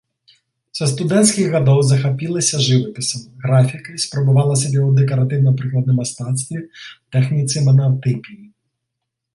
Са студэнцкіх гадоў захапілася жывапісам, графікай, спрабавала сябе ў дэкаратыўна-прыкладным мастацтве, тэхніцы манатыпіі.